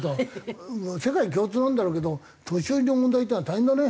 もう世界共通なんだろうけど年寄りの問題っていうのは大変だね。